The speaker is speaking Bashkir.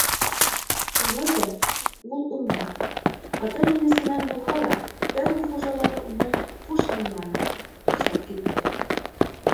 Шулай ҙа ул уңманы: ата енесенән булһа ла, тәүге хужалары уны хушһынманы, ташлап китте.